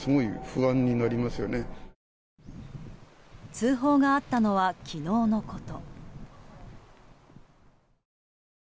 通報があったのは昨日のこと。